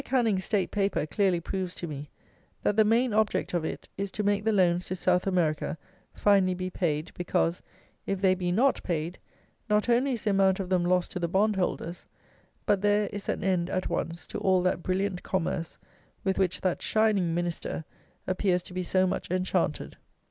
Canning's State Paper clearly proves to me, that the main object of it is to make the loans to South America finally be paid, because, if they be not paid, not only is the amount of them lost to the bond holders, but there is an end, at once, to all that brilliant commerce with which that shining Minister appears to be so much enchanted.